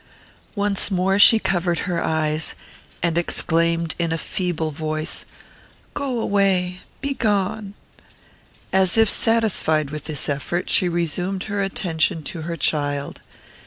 Once more she covered her eyes, and exclaimed, in a feeble voice, "Go away! begone!" As if satisfied with this effort, she resumed her attention to her child.